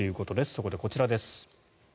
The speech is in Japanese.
そこでこちらです。